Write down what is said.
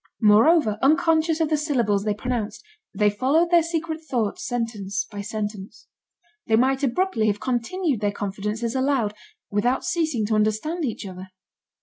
Moreover, unconscious of the syllables they pronounced, they followed their secret thoughts sentence by sentence; they might abruptly have continued their confidences aloud, without ceasing to understand each other.